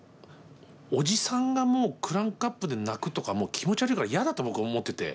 おじさんがもうクランクアップで泣くとかもう気持ち悪いから嫌だと僕は思ってて。